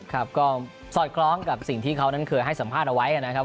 ครับก็สอดคล้องกับสิ่งที่เขานั้นเคยให้สัมภาษณ์เอาไว้นะครับ